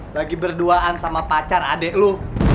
lagi berduaan sama pacar adik lu